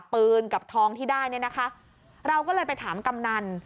กับทองที่ได้เนี่ยนะคะเราก็เลยไปถามกำนัน